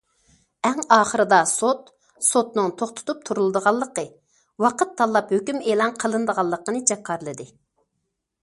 ئەڭ ئاخىرىدا سوت سوتنىڭ توختىتىپ تۇرۇلىدىغانلىقى، ۋاقىت تاللاپ ھۆكۈم ئېلان قىلىنىدىغانلىقىنى جاكارلىدى.